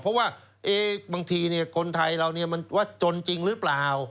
เพราะว่าบางทีคนไทยเรามันว่าจนจริงหรือเปล่า